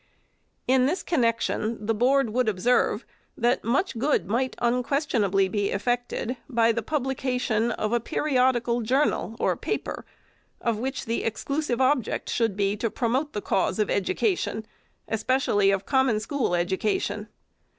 In this connection the Board would observe, that much good might unquestionably be effected by the publication of a periodical journal or paper, of which the exclusive object should be to promote the cause of education, especially of Common School education.